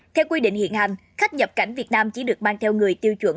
theo quy định hiện hành khách nhập cảnh việt nam chỉ được mang theo người tiêu chuẩn